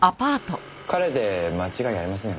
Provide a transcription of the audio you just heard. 彼で間違いありませんよね？